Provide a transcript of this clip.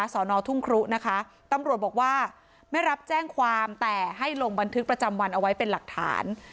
สอนอทุ่งครุนะคะตำรวจบอกว่าไม่รับแจ้งความแต่ให้ลงบันทึกประจำวันเอาไว้เป็นหลักฐาน